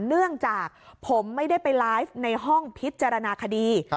เนื่องจากผมไม่ได้ไปไลฟ์ในห้องพิจารณาคดี